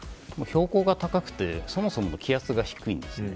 標高が高くてそもそも気圧が低いんですね。